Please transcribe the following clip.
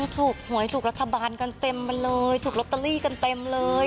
ถูกหวยถูกรัฐบาลกันเต็มมาเลยถูกลอตเตอรี่กันเต็มเลย